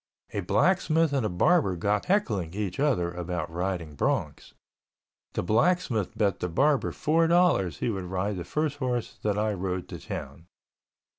A blacksmith and a barber got heckling each other about riding broncs. The blacksmith bet the barber four dollars he would ride the first horse that I rode to town.